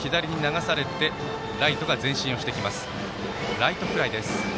ライトフライです。